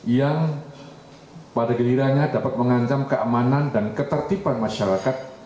yang pada gilirannya dapat mengancam keamanan dan ketertiban masyarakat